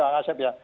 kang asep ya